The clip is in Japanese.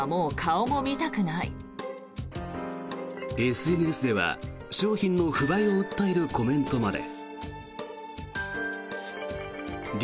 ＳＮＳでは商品の不買を訴えるコメントまで。